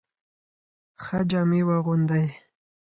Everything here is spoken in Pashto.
ښه جامې واغوندئ.